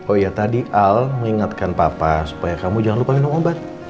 oh ya tadi al mengingatkan papa supaya kamu jangan lupa minum obat